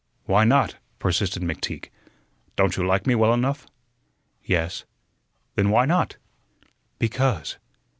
"Why not?" persisted McTeague. "Don't you like me well enough?" "Yes." "Then why not?" "Because."